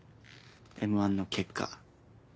『Ｍ−１』の結果。